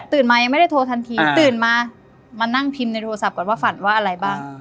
มายังไม่ได้โทรทันทีตื่นมามานั่งพิมพ์ในโทรศัพท์ก่อนว่าฝันว่าอะไรบ้าง